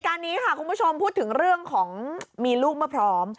การนี้ค่ะคุณผู้ชมพูดถึงเรื่องของมีลูกเมื่อพร้อม